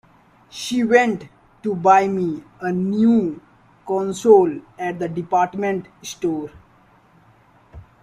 She went to buy me a new console at the department store.